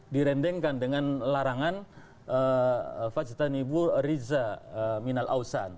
direndengkan dengan larangan wajidat nibbu riza minal ausan